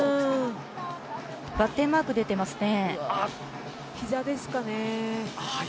バッテンマーク出ていますね。